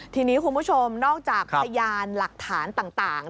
ทีนี้คุณผู้ชมนอกจากพยานหลักฐานต่าง